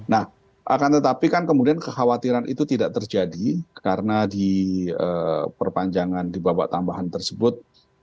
nah akan tetapi kan kemudian kekhawatiran itu tidak terjadi karena di perpanjangan di babak tambahan tersebut